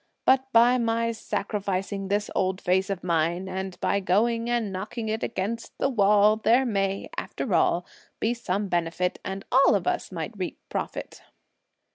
But by my sacrificing this old face of mine, and by going and knocking it (against the wall) there may, after all, be some benefit and all of us might reap profit."